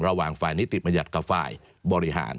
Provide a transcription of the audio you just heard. ระหว่างฝ่ายนิติบัญญัติกับฝ่ายบริหาร